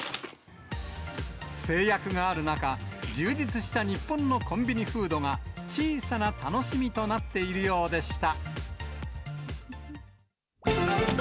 制約がある中、充実した日本のコンビニフードが、小さな楽しみとなっているようでした。